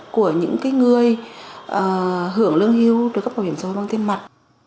của những người hưởng lương hưu trợ cấp bảo hiểm xã hội bằng tiền mặt